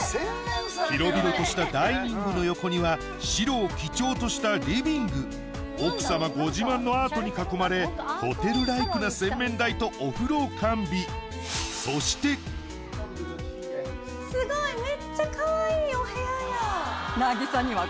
広々としたダイニングの横には白を基調としたリビング奥様ご自慢のアートに囲まれホテルライクな洗面台とお風呂を完備すごいめっちゃかわいいお部屋や。